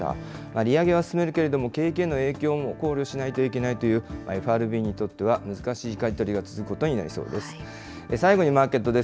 利上げは進めるけれども、景気への影響も考慮しないといけないというＦＲＢにとっては難しいかじ取りが続くことになりそうです。